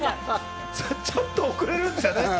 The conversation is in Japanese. ちょっと遅れるんですよね。